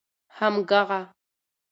همږغه